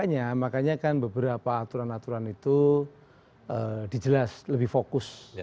makanya makanya kan beberapa aturan aturan itu dijelas lebih fokus